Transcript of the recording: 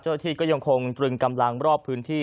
เจ้าหน้าที่ก็ยังคงตรึงกำลังรอบพื้นที่